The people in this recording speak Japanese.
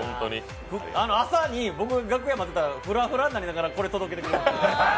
朝に、僕楽屋に入ったらフラフラになりながらこれ届けてくれました。